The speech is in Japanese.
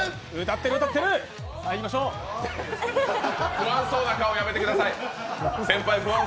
不安そうな顔やめてください。